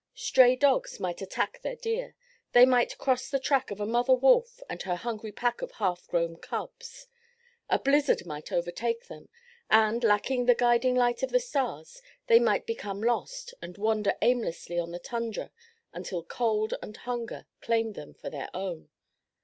Stray dogs might attack their deer; they might cross the track of a mother wolf and her hungry pack of half grown cubs; a blizzard might overtake them and, lacking the guiding light of the stars, they might become lost and wander aimlessly on the tundra until cold and hunger claimed them for their own.